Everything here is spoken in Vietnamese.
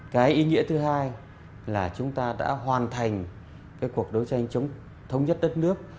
cái ý nghĩa thứ hai là chúng ta đã hoàn thành cái cuộc đấu tranh chống thống nhất đất nước